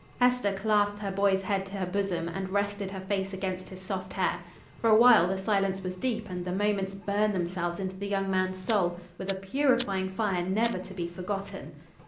Hester clasped her boy's head to her bosom and rested her face against his soft hair. For a while the silence was deep and the moments burned themselves into the young man's soul with a purifying fire never to be forgotten.